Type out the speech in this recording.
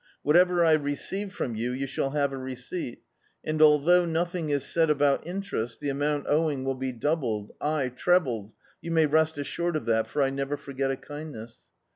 Whatever I re ceive from you, you shall have a receipt, and, al< though nothing is said about interest, the amoimt owing will be doubled, aye trebled, you may rest assured of that, for I never forget a kinchiess."